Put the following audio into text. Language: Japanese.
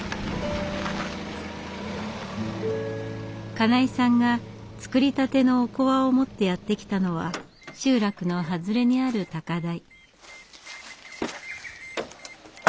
金井さんが作りたてのおこわを持ってやって来たのは集落の外れにある高台。